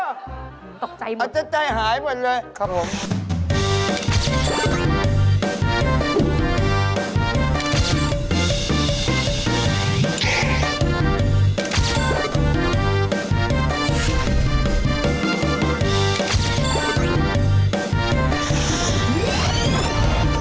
ตกใจหมดเลยครับผมตกใจหายหมดเลย